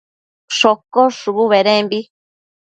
shocosh shubu bedembi